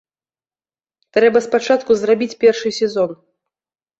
Трэба спачатку зрабіць першы сезон.